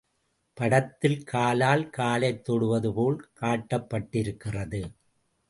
படத்தில் காலால் காலைத் தொடுவது போல் காட்டப்பட்டிருக்கிறது.